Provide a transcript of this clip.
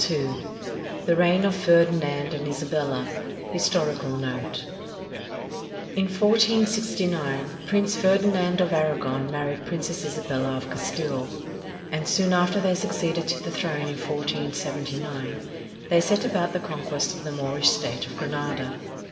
II THE REIGN OF FERDINAND AND ISABELLA HISTORICAL NOTE In 1469, Prince Ferdinand of Aragon married Princess Isabella of Castile, and soon after they succeeded to the throne in 1479, they set about the conquest of the Moorish state of Granada.